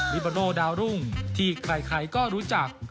บาโนดาวรุ่งที่ใครก็รู้จัก